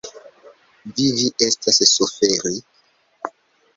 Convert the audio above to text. Vivi estas suferi.